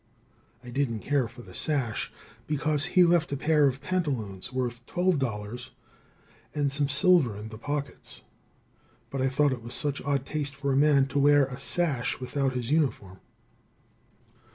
I didn't care for the sash, because he left a pair of pantaloons worth twelve dollars and some silver in the pockets, but I thought it was such odd taste for a man to wear a sash without his uniform.